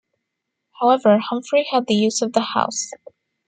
However Humphrey had the use of the house.